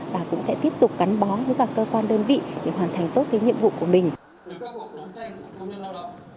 và cũng sẽ tiếp tục gắn bó với các cơ quan đơn vị để hoàn thành tốt cái nhiệm vụ của mình